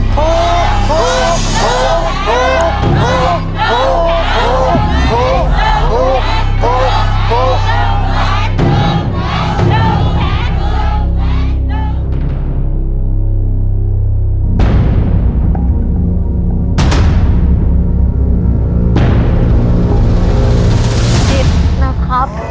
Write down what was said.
เสร็จนะครับ